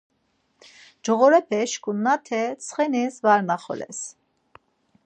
Coğorepe şkurnate ntsxenis var naxoles.